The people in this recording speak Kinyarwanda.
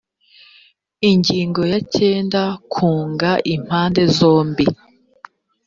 ingingo ya cyenda kunga impande zombi